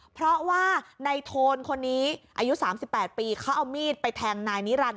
เพราะว่าในโทนคนนี้อายุ๓๘ปีเขาเอามีดไปแทงนายนิรันดิ